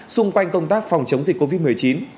xung quanh công tác phòng chống dịch covid một mươi chín